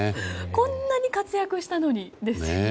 こんなに活躍したのにですよね。